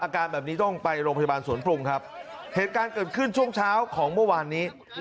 อาการแบบนี้ต้องไปโรงพยาบาลสวนปรุงครับเหตุการณ์เกิดขึ้นช่วงเช้าของเมื่อวานนี้